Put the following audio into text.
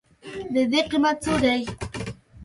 د دې قیمت څو دی؟